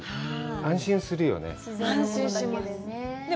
安心するよね。